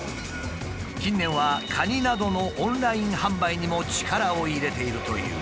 近年はカニなどのオンライン販売にも力を入れているという。